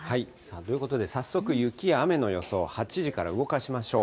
ということで早速、雪や雨の予想、８時から動かしましょう。